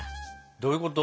どういうこと？